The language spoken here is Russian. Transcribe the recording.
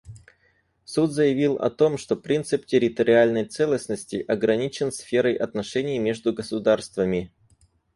Суд заявил о том, что принцип территориальной целостности ограничен сферой отношений между государствами.